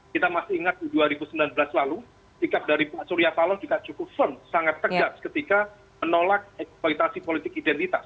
kita masih ingat di dua ribu sembilan belas lalu sikap dari pak surya paloh juga cukup firm sangat tegas ketika menolak eksploitasi politik identitas